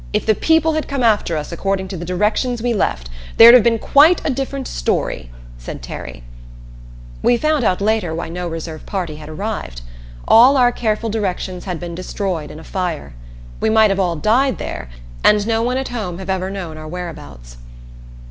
"If the people had come after us according to the directions we left, there'd have been quite a different story!" said Terry. We found out later why no reserve party had arrived. All our careful directions had been destroyed in a fire. We might have all died there and no one at home have ever known our whereabouts.